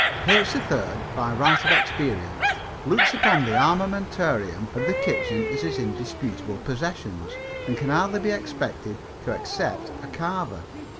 "H. 3rd by right of experience looks upon the armamentarium of the kitchen as his indisputable possessions and can hardly be expected to except a carver.